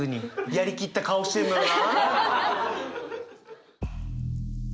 やり切った顔してるのよな。